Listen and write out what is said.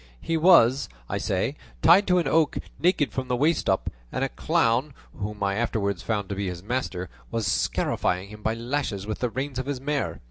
He was, I say, tied to an oak, naked from the waist up, and a clown, whom I afterwards found to be his master, was scarifying him by lashes with the reins of his mare.